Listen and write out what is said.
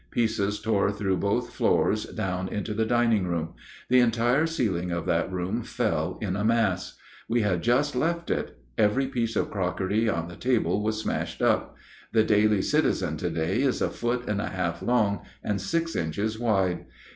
Pieces tore through both floors down into the dining room. The entire ceiling of that room fell in a mass. We had just left it. Every piece of crockery on the table was smashed up. The "Daily Citizen" to day is a foot and a half long and six inches wide.